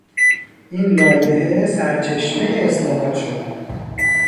این لایحه سرچشمهی اصلاحات شد.